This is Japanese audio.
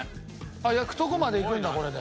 あっ焼くとこまでいくんだこれで。